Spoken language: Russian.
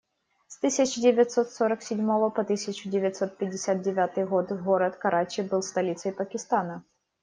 С тысяча девятьсот сорок седьмого по тысячу девятьсот пятьдесят девятый год город Карачи был столицей Пакистана.